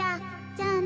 じゃあね。